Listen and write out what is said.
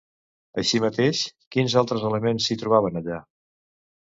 Així mateix, quins altres elements s'hi trobaven allà?